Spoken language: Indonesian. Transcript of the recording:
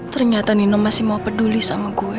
ternyata nino masih mau peduli sama gue